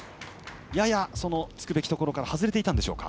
やや突くべきところから外れていたんでしょうか。